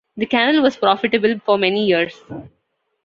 The canal was profitable for many years.